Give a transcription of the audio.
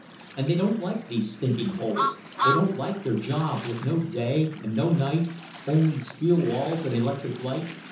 And they don't like these stinking holes! They don't like their jobs, with no day and no night, only steel walls and electric light!